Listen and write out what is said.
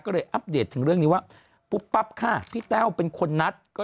ก็เลยอัปเดตถึงเรื่องนี้ว่าปุ๊บปั๊บค่ะพี่แต้วเป็นคนนัดก็